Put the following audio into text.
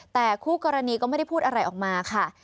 แต่คู่กรณีก็ไม่ได้พูดอะไรออกมาค่ะ